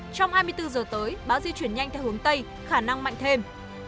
trong hai mươi bốn giờ tới bão di chuyển nhanh theo hướng tây khả năng mạnh thêm